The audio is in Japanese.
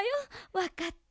わかった？